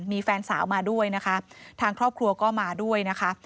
มีแฟนสาวมาด้วยนะคะทางครอบครัวก็มาด้วยนะคะ